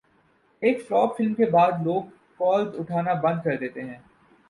ایک flop film کے بعد لوگ کالز اٹھانا بند کردیتے ہیں